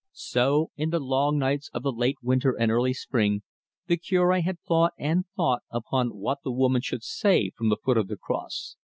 So, in the long nights of the late winter and early spring, the Cure had thought and thought upon what the woman should say from the foot of the cross.